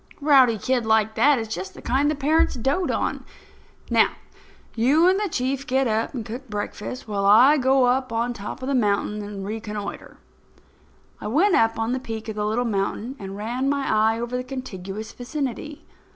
"A rowdy kid like that is just the kind that parents dote on. Now, you and the Chief get up and cook breakfast, while I go up on the top of this mountain and reconnoitre." I went up on the peak of the little mountain and ran my eye over the contiguous vicinity.